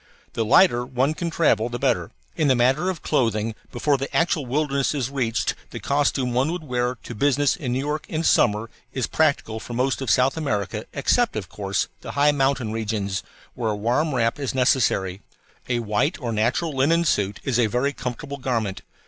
The lighter one can travel the better. In the matter of clothing, before the actual wilderness is reached the costume one would wear to business in New York in summer is practical for most of South America, except, of course, the high mountain regions, where a warm wrap is necessary. A white or natural linen suit is a very comfortable garment.